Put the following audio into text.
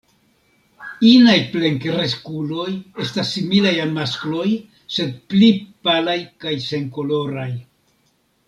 Inaj plenkreskuloj estas similaj al maskloj sed pli palaj kaj senkoloraj.